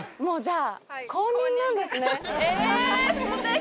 あ！